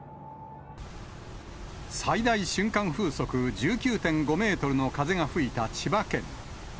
最大瞬間風速１９．５メートルの風が吹いた千葉県。